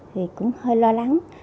thì cũng hơi lo lắng